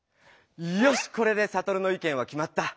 よしこれでサトルの意見はきまった！